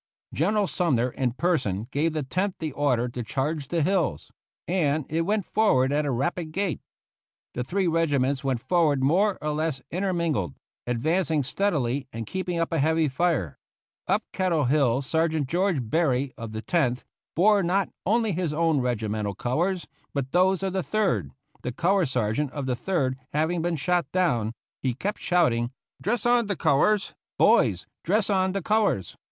General Sum ner in person gave the Tenth the order to charge the hills; and it went forward at a rapid gait. The three regiments went forward more or less intermingled, advancing steadily and keeping up 128 THE CAVALRY AT SANTIAGO a heavy fire. Up Kettle Hill Sergeant George Berry, of the Tenth, bore not only his own regi mental colors but those of the Third, the color sergeant of the Third having been shot down ; he kept shouting, "Dress on the colors, boys, dress on the colors!"